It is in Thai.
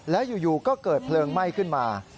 แล้วอยู่ก็เกิดเพลิงไหม้ขึ้นมา